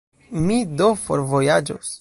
Mi do forvojaĝos.